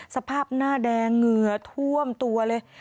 สภาพหน้าแดงเหงื่อท่วมตัวเลย